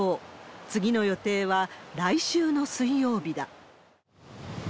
次の予定は来週の水曜日だ。